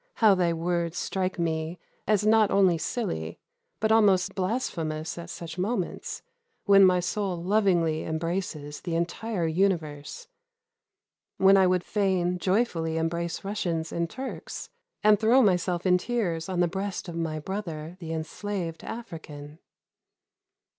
how thy words strike me as not only silly, but almost blasphemous at such moments, when my soul lovingly embraces the entire universe, when I would fain joyfully embrace Russians and Turks, and throw myself in tears on the breast of my brother the enslaved African!"